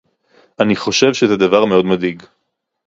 אני חושב שזה דבר מאוד מדאיג